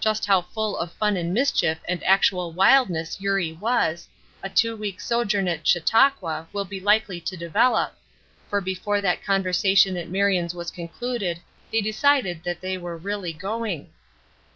Just how full of fun and mischief and actual wildness Eurie was, a two weeks sojourn at Chautauqua will be likely to develop; for before that conversation at Marion's was concluded they decided that they were really going.